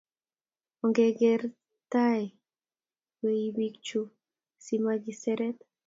Ongeker taa wei pik chu si makiseret